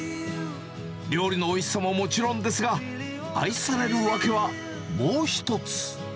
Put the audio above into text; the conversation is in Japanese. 料理のおいしさももちろんですが、愛される訳はもう一つ。